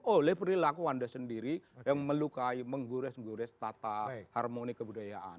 oleh perilaku anda sendiri yang melukai menggores menggores tata harmoni kebudayaan